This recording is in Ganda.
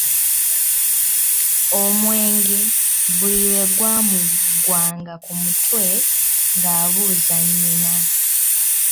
Omwenge buli lwe gwamuggwanga ku mutwe, ng'abuuza nnyina.